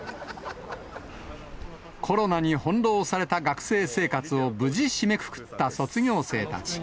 コロナに翻弄された学生生活を無事締めくくった卒業生たち。